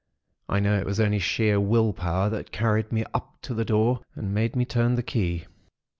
I know it was only sheer will power that carried me up to the door and made me turn the key.